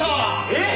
えっ！？